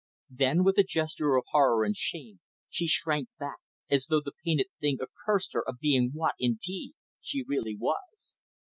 Then, with a gesture of horror and shame, she shrank back, as though the painted thing accused her of being what, indeed, she really was.